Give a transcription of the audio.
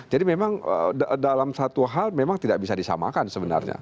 jadi memang dalam satu hal memang tidak bisa disamakan sebenarnya